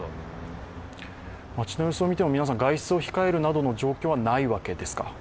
町の様子を見ても、皆さん、外出を控えるなどの状況はないわけですか。